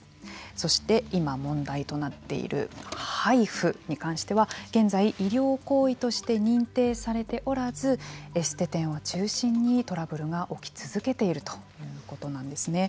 そして、今問題となっているハイフに関しては現在、医療行為として認定されておらずエステ店を中心にトラブルが起き続けているということなんですね。